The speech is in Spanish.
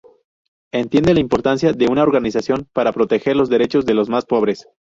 Entiende la importancia de una organización para proteger los derechos de los más pobres.